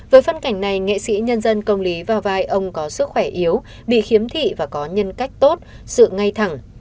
với phân cảnh này nghệ sĩ nhân dân công lý và vai ông có sức khỏe yếu bị khiếm thị và có nhân cách tốt sự ngay thẳng